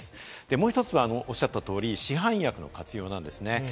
もう１つはおっしゃった通り、市販薬の活用なんです。